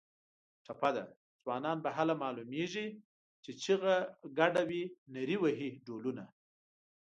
ټپه ده: ځوانان به هله معلومېږي چې چیغه ګډه وي نري وهي ډولونه